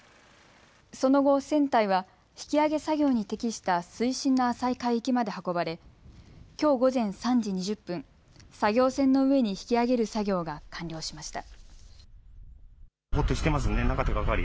その後、船体は引き揚げ作業に適した水深の浅い海域まで運ばれきょう午前３時２０分作業船の上に引き揚げる作業が完了しました。